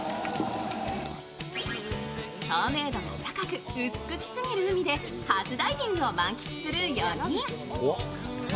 透明度も高く美しすぎる海で初ダイビングを満喫する４人。